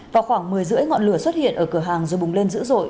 vào khoảng một mươi h ba mươi ngọn lửa xuất hiện ở cửa hàng rồi bùng lên dữ dội